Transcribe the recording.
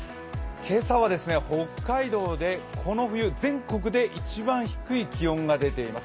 今朝は北海道でこの冬、全国で一番低い気温が出ています。